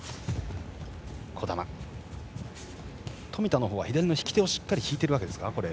冨田は左の引き手をしっかり引いてるわけですか。